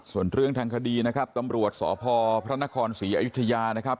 ส่วนเรื่องทางคดีนะครับตำรวจสพพระนครศรีอยุธยานะครับ